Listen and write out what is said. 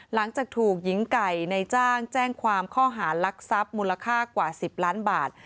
หลังจากถูกหญิงไก่ในจ้างแจ้งความข้อหารักทรัพย์มูลค่ากว่า๑๐ล้านบาท